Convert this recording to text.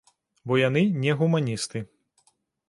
Бо яны не гуманісты.